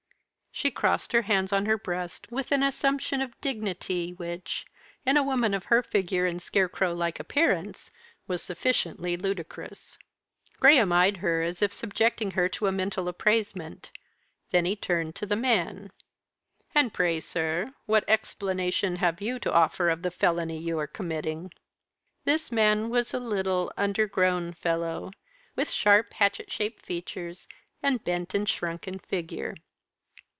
She crossed her hands on her breast with an assumption of dignity which, in a woman of her figure and scarecrow like appearance, was sufficiently ludicrous. Graham eyed her as if subjecting her to a mental appraisement. Then he turned to the man. "And pray, sir, what explanation have you to offer of the felony you are committing?" This man was a little, undergrown fellow, with sharp hatchet shaped features, and bent and shrunken figure.